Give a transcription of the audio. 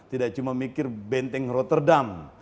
tidak cuma mikir benteng rotterdam